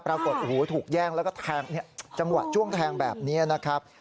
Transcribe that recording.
ปรากฏถูกแย่งแล้วก็แทงจ้วงแทงแบบนี้นะครับ